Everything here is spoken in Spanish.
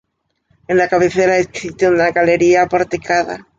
En la cabecera existe una galería porticada.